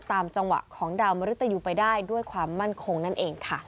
ตามจังหวะของดาวมริตยูไปได้ด้วยความมั่นคงนั่นเองค่ะ